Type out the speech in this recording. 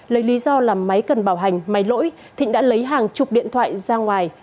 lấy lý do làm máy cần bảo hành máy lỗi thịnh đã lấy hàng chục điện thoại ra ngoài